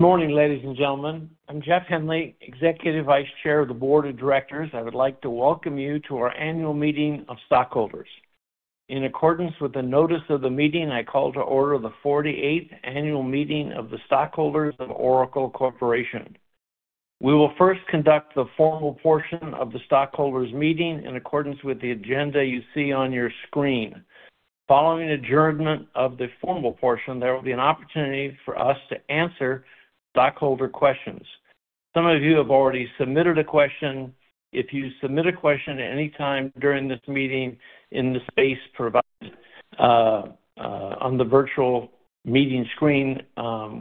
Good morning, ladies and gentlemen. I'm Jeff Henley, Executive Vice Chair of the Board of Directors. I would like to welcome you to our annual meeting of stockholders. In accordance with the notice of the meeting, I call to order the 48th Annual Meeting of the Stockholders of Oracle Corporation. We will first conduct the formal portion of the stockholders' meeting in accordance with the agenda you see on your screen. Following adjournment of the formal portion, there will be an opportunity for us to answer stockholder questions. Some of you have already submitted a question. If you submit a question at any time during this meeting in the space provided on the virtual meeting screen,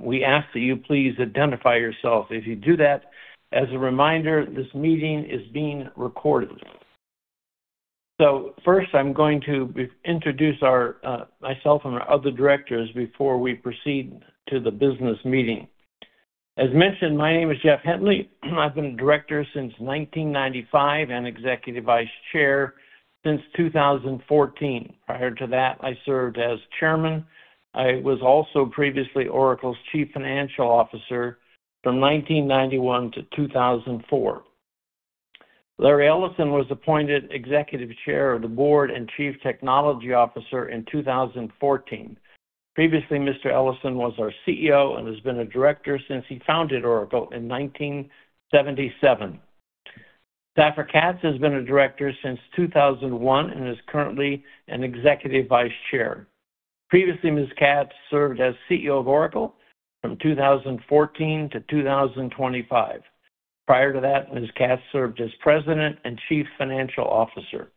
we ask that you please identify yourself. If you do that, as a reminder, this meeting is being recorded. First, I'm going to introduce myself and our other Directors before we proceed to the business meeting. As mentioned, my name is Jeff Henley. I've been a Director since 1995 and Executive Vice Chair since 2014. Prior to that, I served as Chairman. I was also previously Oracle's Chief Financial Officer from 1991 to 2004. Larry Ellison was appointed Executive Chair of the Board and Chief Technology Officer in 2014. Previously, Mr. Ellison was our CEO and has been a Director since he founded Oracle in 1977. Safra Catz has been a Director since 2001 and is currently an Executive Vice Chair. Previously, Ms. Catz served as CEO of Oracle from 2014 to 2025. Prior to that, Ms. Catz served as President and Chief Financial Officer.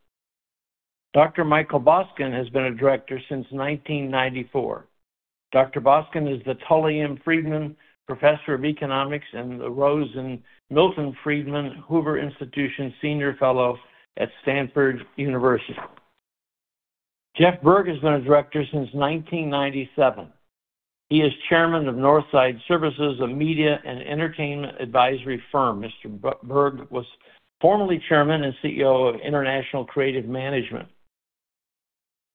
Dr. Michael Boskin has been a Director since 1994. Dr. Boskin is the Tully M. Friedman Professor of Economics and the Milton Friedman Hoover Institution Senior Fellow at Stanford University. Jeff Berg has been a Director since 1997. He is Chairman of Northside Services, a media and entertainment advisory firm. Mr. Berg was formerly Chairman and CEO of International Creative Management.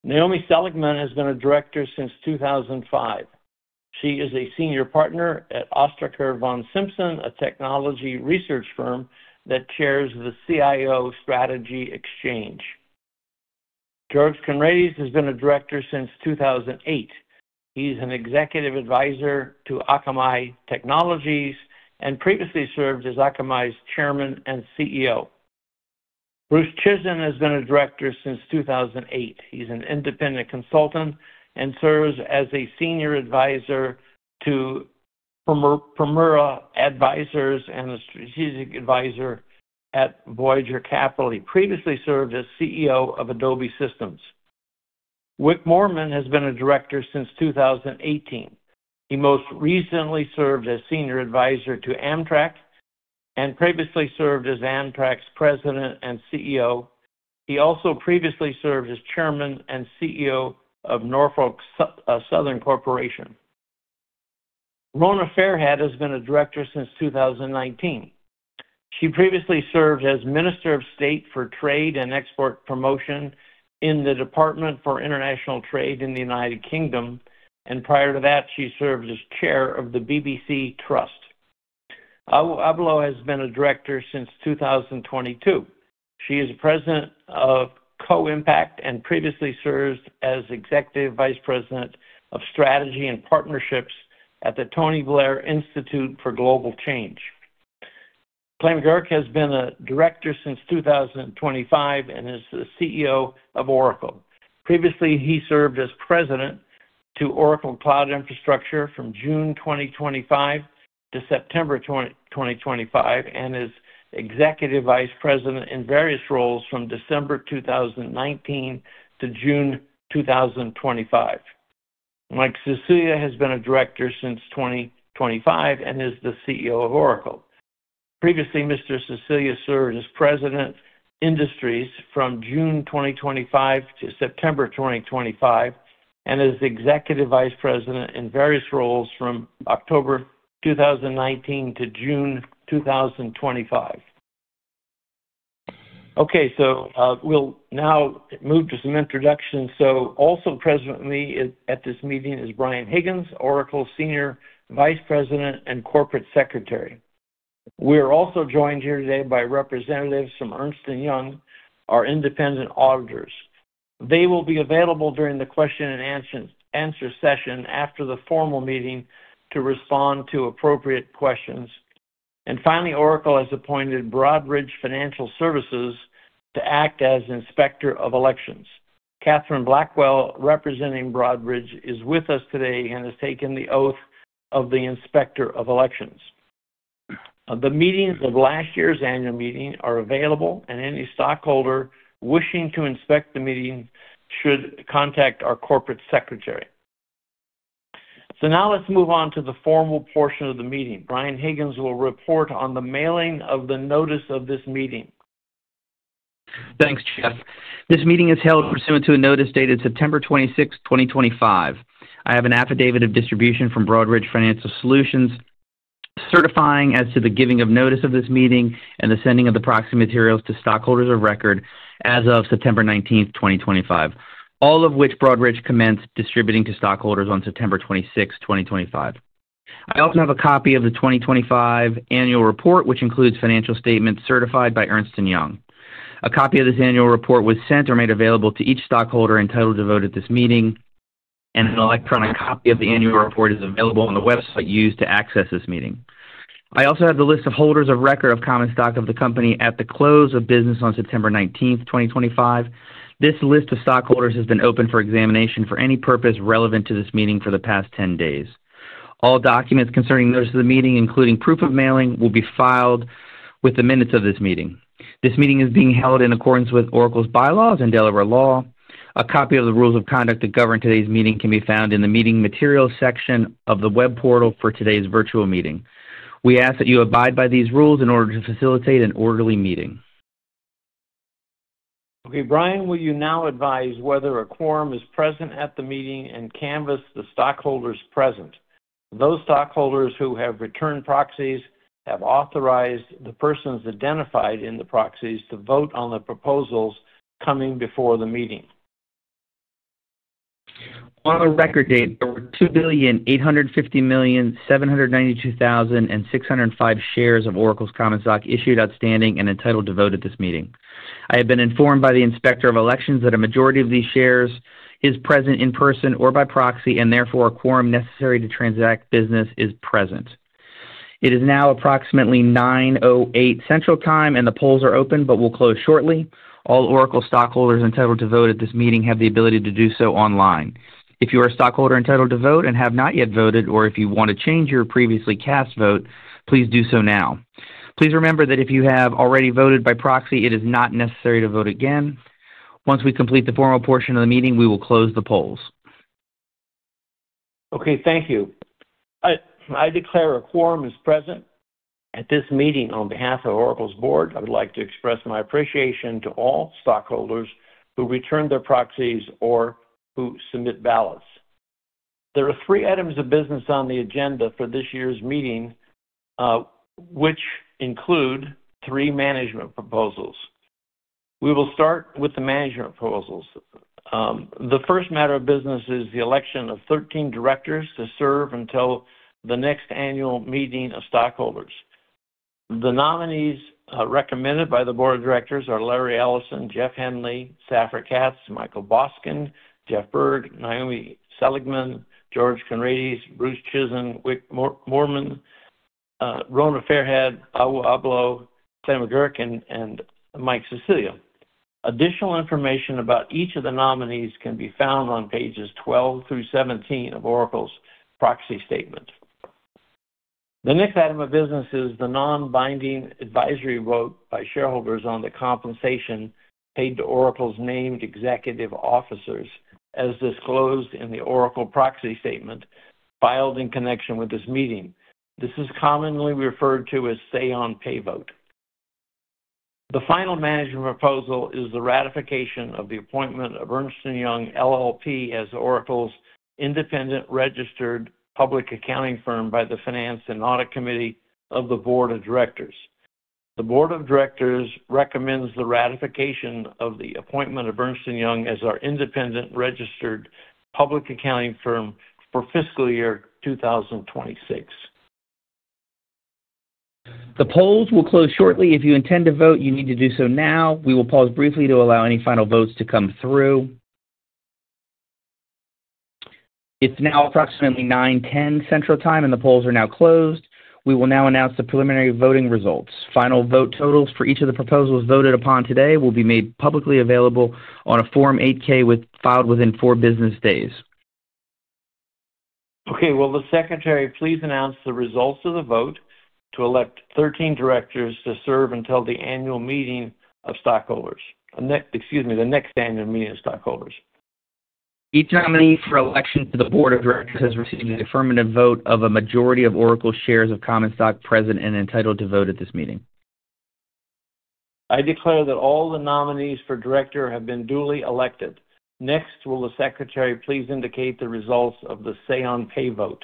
Naomi Seligman has been a Director since 2005. She is a Senior Partner at Ostriker von Simson, a technology research firm that chairs the CIO Strategy Exchange. George Conrades has been a Director since 2008. He's an Executive Advisor to Akamai Technologies and previously served as Akamai's Chairman and CEO. Bruce Chizen has been a Director since 2008. He's an independent consultant and serves as a Senior Advisor to Primera Advisors and a Strategic Advisor at Voyager Capital. He previously served as CEO of Adobe Systems. Wick Moorman has been a Director since 2018. He most recently served as Senior Advisor to Amtrak and previously served as Amtrak's President and CEO. He also previously served as Chairman and CEO of Norfolk Southern Corporation. Rona Fairhead has been a Director since 2019. She previously served as Minister of State for Trade and Export Promotion in the Department for International Trade in the United Kingdom. Prior to that, she served as Chair of the BBC Trust. Awo Ablo has been a Director since 2022. She is President of Co-Impact and previously served as Executive Vice President of Strategy and Partnerships at the Tony Blair Institute for Global Change. Clay Magouyrk has been a Director since 2025 and is the CEO of Oracle. Previously, he served as President of Oracle Cloud Infrastructure from June 2025 to September 2025 and as Executive Vice President in various roles from December 2019 to June 2025. Mike Sicilia has been a Director since 2025 and is the CEO of Oracle. Previously, Mr. Sicilia served as President of Industries from June 2025 to September 2025 and as Executive Vice President in various roles from October 2019 to June 2025. Okay, we will now move to some introductions. Also present with me at this meeting is Brian Higgins, Oracle Senior Vice President and Corporate Secretary. We are also joined here today by representatives from Ernst & Young, our independent auditors. They will be available during the question-and-answer session after the formal meeting to respond to appropriate questions. Finally, Oracle has appointed Broadridge Financial Services to act as Inspector of Elections. Katherine Blackwell, representing Broadridge, is with us today and has taken the oath of the Inspector of Elections. The minutes of last year's annual meeting are available, and any stockholder wishing to inspect the minutes should contact our Corporate Secretary. Now let's move on to the formal portion of the meeting. Brian Higgins will report on the mailing of the notice of this meeting. Thanks, Jeff. This meeting is held pursuant to a notice dated September 26, 2025. I have an affidavit of distribution from Broadridge Financial Services certifying as to the giving of notice of this meeting and the sending of the proxy materials to stockholders of Record as of September 19, 2025, all of which Broadridge commenced distributing to stockholders on September 26, 2025. I also have a copy of the 2025 annual report, which includes financial statements certified by Ernst & Young. A copy of this annual report was sent or made available to each stockholder entitled to vote at this meeting, and an electronic copy of the annual report is available on the website used to access this meeting. I also have the list of holders of record of common stock of the company at the close of business on September 19, 2025. This list of stockholders has been open for examination for any purpose relevant to this meeting for the past 10 days. All documents concerning notice of the meeting, including proof of mailing, will be filed with the minutes of this meeting. This meeting is being held in accordance with Oracle's bylaws and Delaware Law. A copy of the rules of conduct that govern today's meeting can be found in the meeting materials section of the web portal for today's virtual meeting. We ask that you abide by these rules in order to facilitate an orderly meeting. Okay, Brian, will you now advise whether a quorum is present at the meeting and canvass the stockholders present? Those stockholders who have returned proxies have authorized the persons identified in the proxies to vote on the proposals coming before the meeting. On the record date, there were 2,850,792,605 shares of Oracle's common stock issued, outstanding, and entitled to vote at this meeting. I have been informed by the Inspector of Elections that a majority of these shares is present in person or by proxy, and therefore, a quorum necessary to transact business is present. It is now approximately 9:08 A.M. Central Time, and the polls are open but will close shortly. All Oracle Stockholders entitled to vote at this meeting have the ability to do so online. If you are a stockholder entitled to vote and have not yet voted, or if you want to change your previously cast vote, please do so now. Please remember that if you have already voted by proxy, it is not necessary to vote again. Once we complete the formal portion of the meeting, we will close the polls. Okay, thank you. I declare a quorum is present at this meeting on behalf of Oracle's board. I would like to express my appreciation to all stockholders who return their proxies or who submit ballots. There are three items of business on the agenda for this year's meeting, which include three management proposals. We will start with the management proposals. The first matter of business is the election of 13 Directors to serve until the next annual meeting of stockholders. The nominees recommended by the Board of Directors are Larry Ellison, Jeff Henley, Safra Catz, Michael Boskin, Jeff Berg, Naomi Seligman, George Conrades, Bruce Chizen, Wick Moorman, Rona Fairhead, Awo Ablo, Clay Magouyrk, and Mike Sicilia. Additional information about each of the nominees can be found on pages 12 through 17 of Oracle's proxy statement. The next item of business is the non-binding advisory vote by shareholders on the compensation paid to Oracle's named Executive Officers, as disclosed in the Oracle proxy statement filed in connection with this meeting. This is commonly referred to as say-on-pay vote. The final management proposal is the ratification of the appointment of Ernst & Young LLP as Oracle's independent registered public accounting firm by the Finance and Audit Committee of the Board of Directors. The Board of Directors recommends the ratification of the appointment of Ernst & Young as our independent registered public accounting firm for fiscal year 2026. The polls will close shortly. If you intend to vote, you need to do so now. We will pause briefly to allow any final votes to come through. It's now approximately 9:10 A.M. Central Time, and the polls are now closed. We will now announce the preliminary voting results. Final vote totals for each of the proposals voted upon today will be made publicly available on a Form 8K filed within four business days. Okay, will the Secretary please announce the results of the vote to elect 13 Directors to serve until the next annual meeting of stockholders? Each nominee for election to the Board of Directors has received an affirmative vote of a majority of Oracle's shares of common stock present and entitled to vote at this meeting. I declare that all the nominees for Director have been duly elected. Next, will the Secretary please indicate the results of the say-on-pay vote?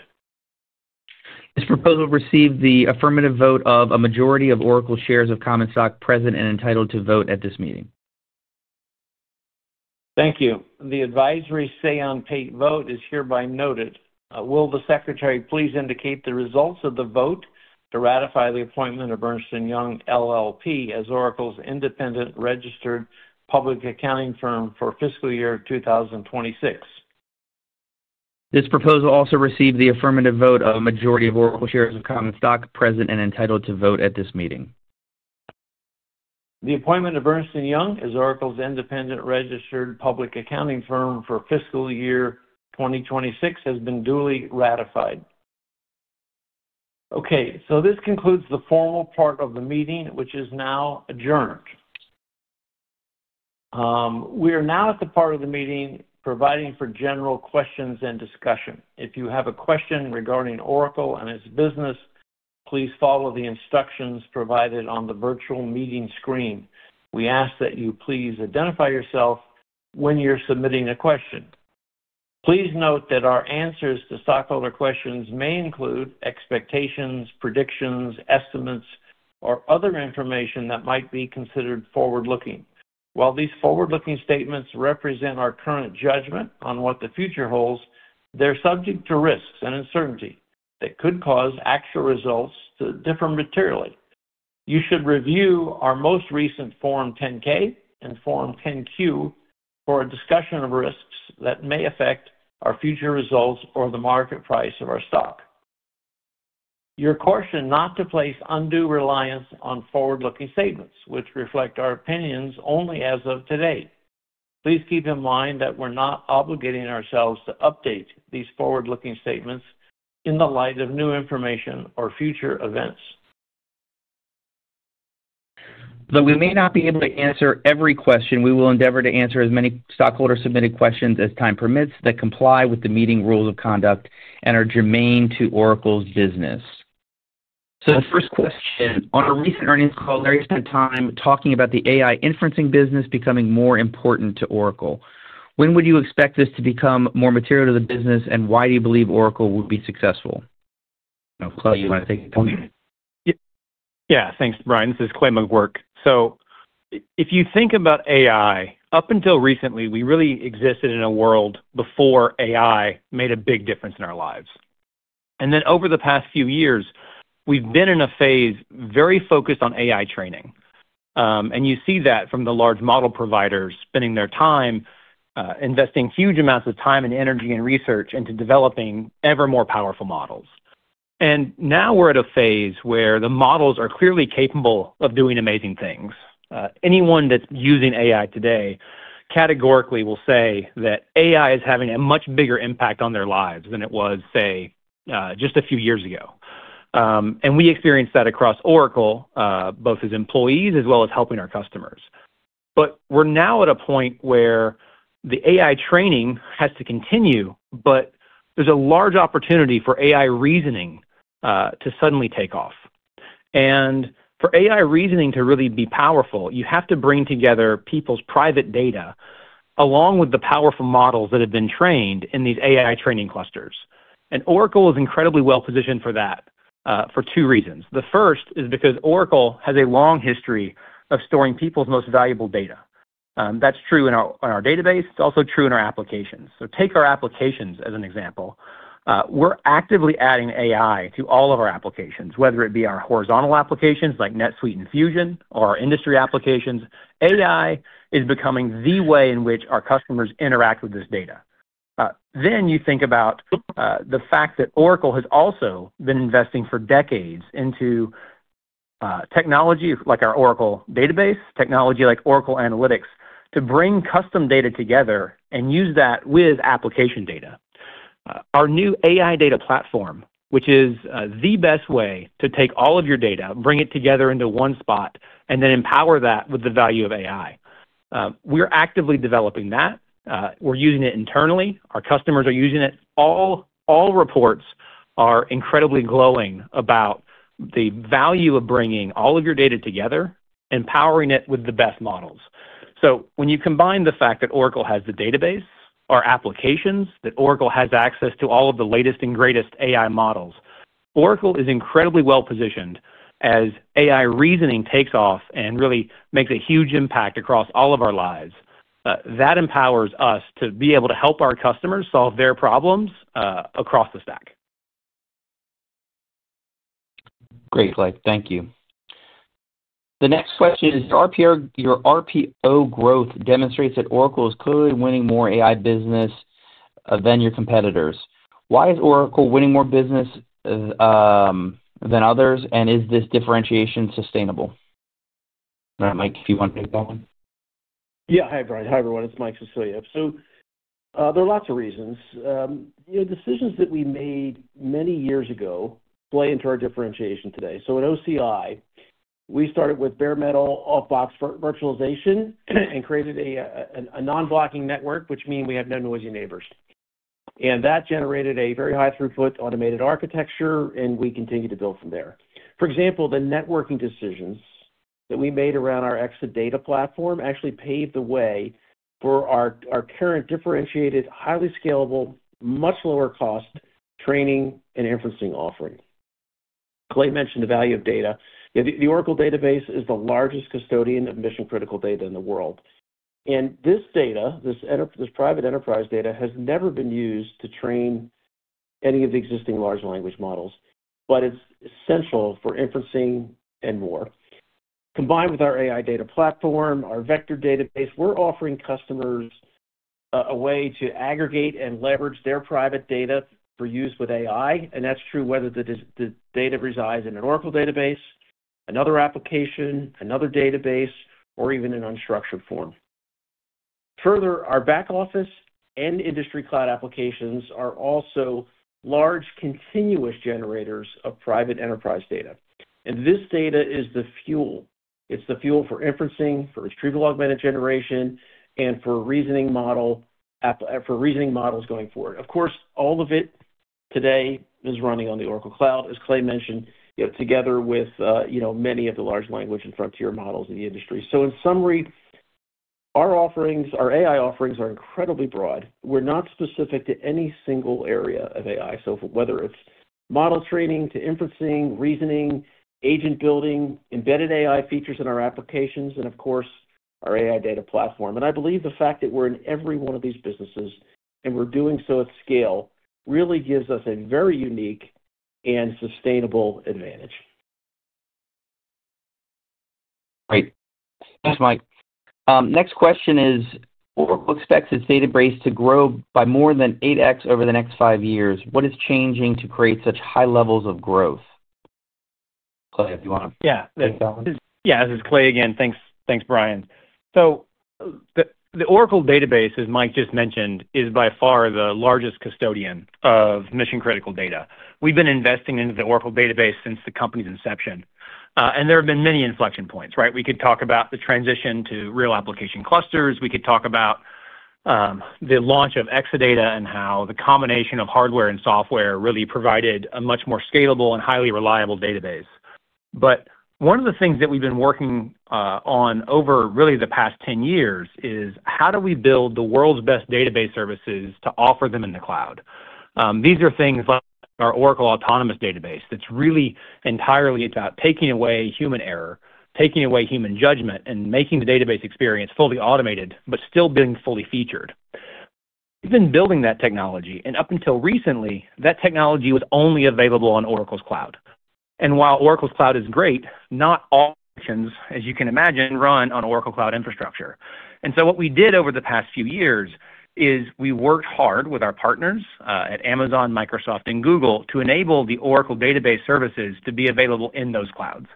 This proposal received the affirmative vote of a majority of Oracle's shares of common stock present and entitled to vote at this meeting. Thank you. The advisory stay-on-pay vote is hereby noted. Will the Secretary please indicate the results of the vote to ratify the appointment of Ernst & Young LLP, as Oracle's independent registered public accounting firm for fiscal year 2026? This proposal also received the affirmative vote of a majority of Oracle's shares of common stock present and entitled to vote at this meeting. The appointment of Ernst & Young as Oracle's independent registered public accounting firm for fiscal year 2026 has been duly ratified. Okay, so this concludes the formal part of the meeting, which is now adjourned. We are now at the part of the meeting providing for general questions and discussion. If you have a question regarding Oracle and its business, please follow the instructions provided on the virtual meeting screen. We ask that you please identify yourself when you're submitting a question. Please note that our answers to stockholder questions may include expectations, predictions, estimates, or other information that might be considered forward-looking. While these forward-looking statements represent our current judgment on what the future holds, they're subject to risks and uncertainty that could cause actual results to differ materially. You should review our most recent Form 10-K and Form 10-Q for a discussion of risks that may affect our future results or the market price of our stock. You're cautioned not to place undue reliance on forward-looking statements, which reflect our opinions only as of today. Please keep in mind that we're not obligating ourselves to update these forward-looking statements in the light of new information or future events. Though we may not be able to answer every question, we will endeavor to answer as many stockholder-submitted questions as time permits that comply with the meeting rules of conduct and are germane to Oracle's business. The first question: On a recent earnings call, Larry spent time talking about the AI inferencing business becoming more important to Oracle. When would you expect this to become more material to the business, and why do you believe Oracle will be successful? Clay, you want to take the point? Yeah, thanks, Brian. This is Clay Magouyrk. If you think about AI, up until recently, we really existed in a world before AI made a big difference in our lives. Over the past few years, we've been in a phase very focused on AI training. You see that from the large model providers spending their time, investing huge amounts of time and energy, and research into developing ever more powerful models. Now we're at a phase where the models are clearly capable of doing amazing things. Anyone that's using AI today categorically will say that AI is having a much bigger impact on their lives than it was, say, just a few years ago. We experienced that across Oracle, both as employees as well as helping our customers. We're now at a point where the AI training has to continue, but there's a large opportunity for AI reasoning to suddenly take off. For AI reasoning to really be powerful, you have to bring together people's private data along with the powerful models that have been trained in these AI training clusters. Oracle is incredibly well-positioned for that for two reasons. The first is because Oracle has a long history of storing people's most valuable data. That's true in our database. It's also true in our applications. Take our applications as an example. We're actively adding AI to all of our applications, whether it be our horizontal applications like NetSuite and Fusion or our Industry applications. AI is becoming the way in which our customers interact with this data. You think about the fact that Oracle has also been investing for decades into technology like our Oracle Database, technology like Oracle Analytics, to bring custom data together and use that with application data. Our new AI Data Platform, which is the best way to take all of your data, bring it together into one spot, and then empower that with the value of AI. We're actively developing that. We're using it internally. Our customers are using it. All reports are incredibly glowing about the value of bringing all of your data together, empowering it with the best models. When you combine the fact that Oracle has the database, our applications, that Oracle has access to all of the latest and greatest AI models, Oracle is incredibly well-positioned as AI reasoning takes off and really makes a huge impact across all of our lives. That empowers us to be able to help our customers solve their problems across the stack. Great, Clay. Thank you. The next question is: Your RPO growth demonstrates that Oracle is clearly winning more AI business than your competitors. Why is Oracle winning more business than others, and is this differentiation sustainable? Mike, if you want to take that one. Yeah, hi, Brian. Hi, everyone. It's Mike Sicilia. There are lots of reasons. Decisions that we made many years ago play into our differentiation today. At OCI, we started with bare metal off-box virtualization and created a non-blocking network, which means we have no noisy neighbors. That generated a very high-throughput automated architecture, and we continued to build from there. For example, the networking decisions that we made around our Exadata platform actually paved the way for our current differentiated, highly scalable, much lower-cost training and inferencing offering. Clay mentioned the value of data. The Oracle Database is the largest custodian of mission-critical data in the world. This data, this private enterprise data, has never been used to train any of the existing large language models, but it's essential for inferencing and more. Combined with our AI data platform, our Vector database, we're offering customers a way to aggregate and leverage their private data for use with AI. That is true whether the data resides in an Oracle database, another application, another database, or even an unstructured form. Further, our back office and Industry cloud applications are also large continuous generators of private enterprise data. This data is the fuel. It's the fuel for inferencing, for retrieval augmented generation, and for reasoning models going forward. Of course, all of it today is running on the Oracle Cloud, as Clay mentioned, together with many of the large language and frontier models in the industry. In summary, our AI offerings are incredibly broad. We're not specific to any single area of AI, whether it's model training to inferencing, reasoning, agent building, embedded AI features in our applications, and of course, our AI data platform. I believe the fact that we're in every one of these businesses and we're doing so at scale really gives us a very unique and sustainable advantage. Great. Thanks, Mike. Next question is: Oracle expects its database to grow by more than 8X over the next five years. What is changing to create such high levels of growth? Clay, if you want to take that one. Yeah, this is Clay again. Thanks, Brian. The Oracle Database, as Mike just mentioned, is by far the largest custodian of mission-critical data. We've been investing into the Oracle Database since the company's inception. There have been many inflection points, right? We could talk about the transition to real application clusters. We could talk about the launch of Exadata and how the combination of hardware and software really provided a much more scalable and highly reliable database. One of the things that we've been working on over really the past 10 years is how do we build the world's best database services to offer them in the cloud? These are things like our Oracle Autonomous Database that's really entirely about taking away human error, taking away human judgment, and making the database experience fully automated, but still being fully featured. We've been building that technology. Up until recently, that technology was only available on Oracle's Cloud. While Oracle's Cloud is great, not all functions, as you can imagine, run on Oracle Cloud Infrastructure. What we did over the past few years is we worked hard with our partners at Amazon, Microsoft, and Google to enable the Oracle Database services to be available in those clouds.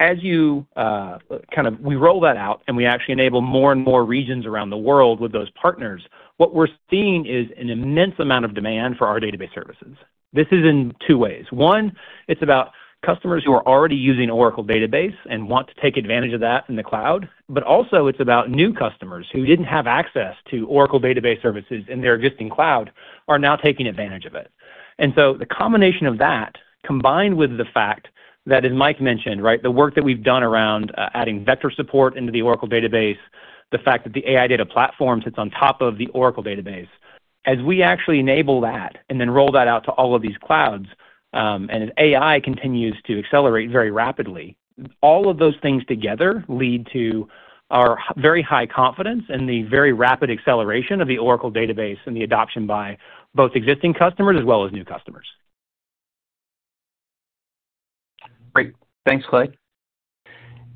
As you kind of roll that out and we actually enable more and more regions around the world with those partners, what we're seeing is an immense amount of demand for our database services. This is in two ways. One, it's about customers who are already using Oracle Database and want to take advantage of that in the cloud. Also, it's about new customers who didn't have access to Oracle Database services in their existing cloud, who are now taking advantage of it. The combination of that, combined with the fact that, as Mike mentioned, right, the work that we've done around adding Vector support into the Oracle Database, the fact that the AI data platform sits on top of the Oracle Database, as we actually enable that and then roll that out to all of these clouds, and as AI continues to accelerate very rapidly, all of those things together lead to our very high confidence and the very rapid acceleration of the Oracle Database and the adoption by both existing customers as well as new customers. Great. Thanks, Clay.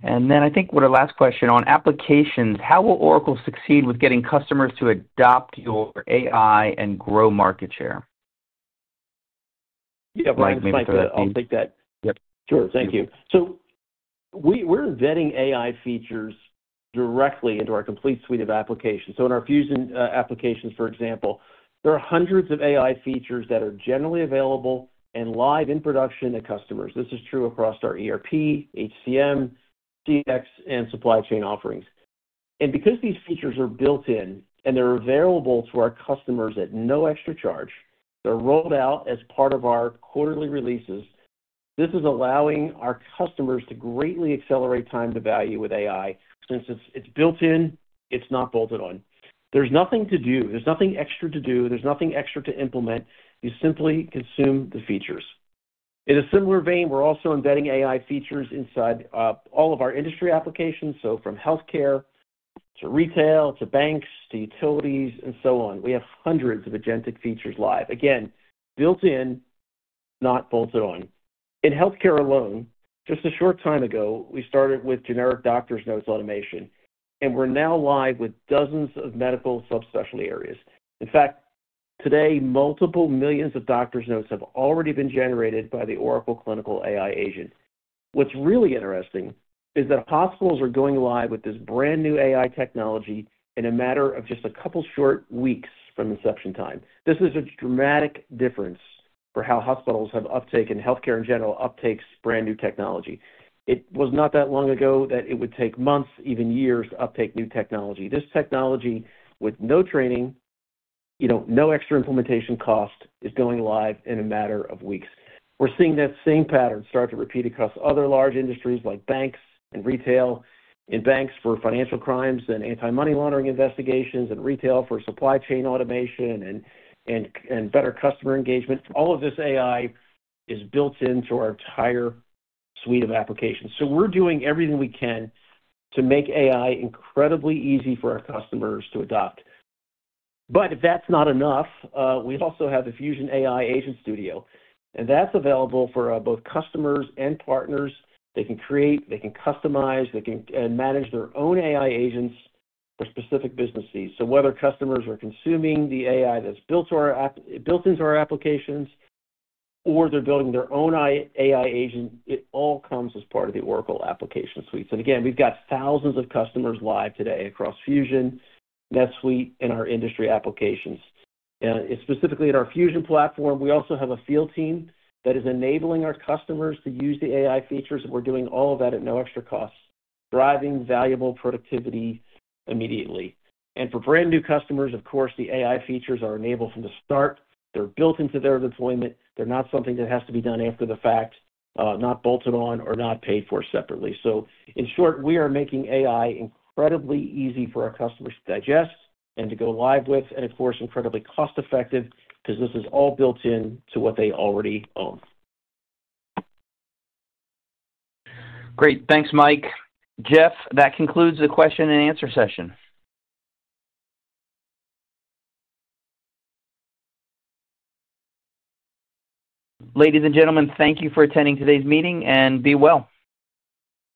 I think we're at the last question. On applications, how will Oracle succeed with getting customers to adopt your AI and grow market share? Yeah, Mike, I'll take that. Yep. Sure. Thank you. We are vetting AI features directly into our complete suite of applications. In our Fusion applications, for example, there are hundreds of AI features that are generally available and live in production at customers. This is true across our ERP, HCM, CX, and Supply Chain Offerings. Because these features are built-in and they are available to our customers at no extra charge, they are rolled out as part of our quarterly releases. This is allowing our customers to greatly accelerate time to value with AI, since it is built in, it is not bolted on. There is nothing to do. There is nothing extra to do. There is nothing extra to implement. You simply consume the features. In a similar vein, we are also embedding AI features inside all of our Industry applications. From healthcare to retail to banks to utilities and so on, we have hundreds of agentic features live. Again, built-in, not bolted on. In healthcare alone, just a short time ago, we started with generic doctor's notes automation, and we're now live with dozens of medical subspecialty areas. In fact, today, multiple millions of doctor's notes have already been generated by the Oracle Clinical AI agent. What's really interesting is that hospitals are going live with this brand new AI technology in a matter of just a couple of short weeks from inception time. This is a dramatic difference for how hospitals have uptake, and healthcare in general, uptakes brand new technology. It was not that long ago that it would take months, even years, to update new technology. This technology, with no training, no extra implementation cost, is going live in a matter of weeks. We're seeing that same pattern start to repeat across other large industries like banks and retail. In banks for financial crimes and anti-money laundering investigations, in retail for supply chain automation and better customer engagement, all of this AI is built into our entire suite of applications. We're doing everything we can to make AI incredibly easy for our customers to adopt. If that's not enough, we also have the Fusion AI Agent Studio. That's available for both customers and partners. They can create, they can customize, they can manage their own AI agents for specific business needs. Whether customers are consuming the AI that's built into our applications or they're building their own AI agent, it all comes as part of the Oracle Application Suite. We've got thousands of customers live today across Fusion, NetSuite, and our Industry applications. Specifically, in our Fusion platform, we also have a field team that is enabling our customers to use the AI features. We are doing all of that at no extra cost, driving valuable productivity immediately. For brand new customers, of course, the AI features are enabled from the start. They are built into their deployment. They are not something that has to be done after the fact, not bolted on or not paid for separately. In short, we are making AI incredibly easy for our customers to digest and to go live with, and of course, incredibly cost-effective because this is all built into what they already own. Great. Thanks, Mike. Jeff, that concludes the question-and-answer session. Ladies and gentlemen, thank you for attending today's meeting, and be well.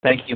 Thank you.